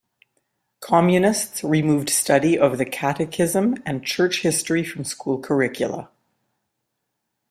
Communists removed study of the catechism and church history from school curricula.